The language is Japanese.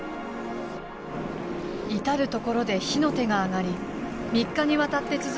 至る所で火の手が上がり３日にわたって続く大火災が発生。